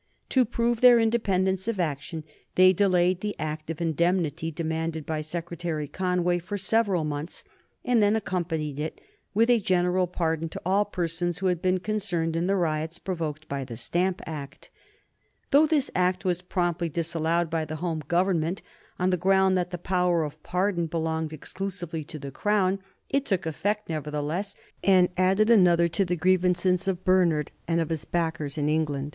To prove their independence of action, they delayed the Act of Indemnity demanded by Secretary Conway for several months, and then accompanied it with a general pardon to all persons who had been concerned in the riots provoked by the Stamp Act. Though this Act was promptly disallowed by the Home Government on the ground that the power of pardon belonged exclusively to the Crown, it took effect nevertheless, and added another to the grievances of Bernard and of his backers in England.